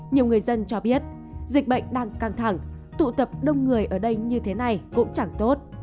nhiều người dân cho biết dịch bệnh đang căng thẳng tụ tập đông người ở đây như thế này cũng chẳng tốt